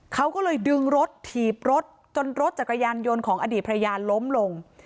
เขาก็เลยดึงรถถีบรถจนรถจักรยานยนต์ของอดีตภรรยาล้มลง